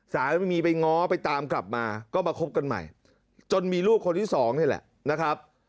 สามีไปง้อไปตามกลับมาก็มาคบกันใหม่จนมีลูกคนที่สองนี่แหละนะครับ